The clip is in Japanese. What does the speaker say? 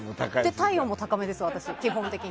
体温も高めです、基本的に。